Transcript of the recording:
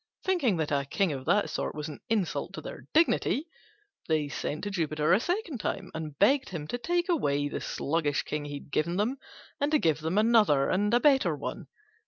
Thinking that a King of that sort was an insult to their dignity, they sent to Jupiter a second time, and begged him to take away the sluggish King he had given them, and to give them another and a better one.